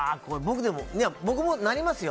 僕もなりますよ。